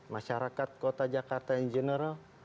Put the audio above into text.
masyarakat kota jakarta yang general